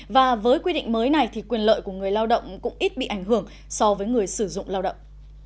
và với quy định mới này thì quyền lợi của người lao động cũng ít bị ảnh hưởng so với người sử dụng lao động